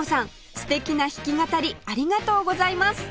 素敵な弾き語りありがとうございます